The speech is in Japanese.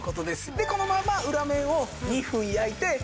でこのまま裏面を２分焼いて完成。